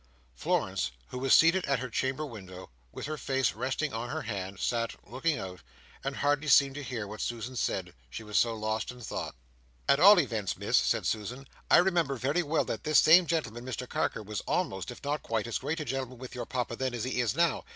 Florence, who was seated at her chamber window, with her face resting on her hand, sat looking out, and hardly seemed to hear what Susan said, she was so lost in thought. "At all events, Miss," said Susan, "I remember very well that this same gentleman, Mr Carker, was almost, if not quite, as great a gentleman with your Papa then, as he is now.